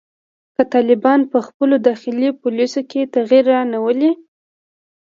که طالبان په خپلو داخلي پالیسیو کې تغیر رانه ولي